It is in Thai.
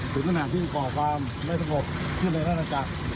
ถึงขณะที่ก่อความไม่สมบัติขึ้นในระดับจักร